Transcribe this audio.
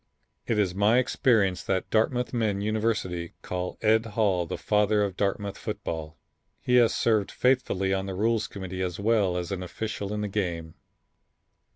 It is my experience that Dartmouth men universally call Ed Hall the father of Dartmouth football. He has served faithfully on the Rules Committee as well as an official in the game.